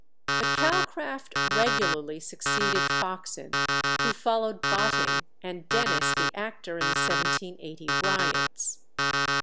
But Calcraft regularly succeeded Foxen, who followed Botting, and Dennis, the actor in the 1780 riots.